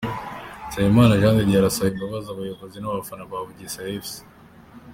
Nsabimana Jean de Dieu arasaba imbabazi abayobozi n'abafana ba Bugesera Fc .